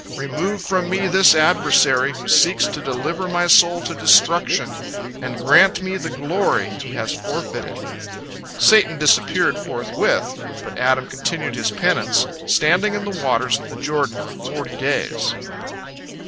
Remove from me this adversary, who seeks to deliver my soul to destruction, and grant me the glory he has forfeited." Satan disappeared forthwith, but Adam continued his penance, standing in the waters of the Jordan for forty days.